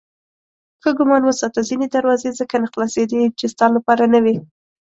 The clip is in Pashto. ښه ګمان وساته ځینې دروازې ځکه نه خلاصېدې چې ستا لپاره نه وې.